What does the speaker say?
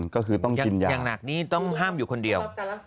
ก็คือต้องอย่างหนักนี่ต้องห้ามอยู่คนเดียว